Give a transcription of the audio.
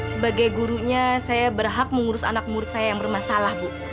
sebagai gurunya saya berhak mengurus anak murid saya yang bermasalah bu